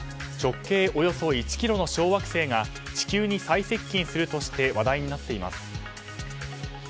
直径およそ１ｋｍの小惑星が地球に最接近するとして話題になっています。